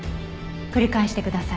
繰り返してください。